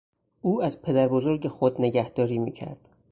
او از پدر بزرگ خود نگهداری میکرد.